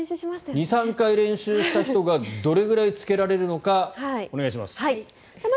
２３回練習した人がどれくらいつけられるのかお願いします。